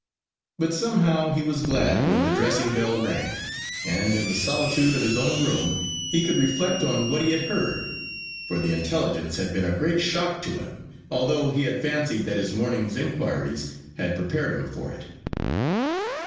But somehow he was glad when the dressing bell rang, and in the solitude of his own room he could reflect on what he had heard; for the intelligence had been a great shock to him, although he had fancied that his morning's inquiries had prepared him for it.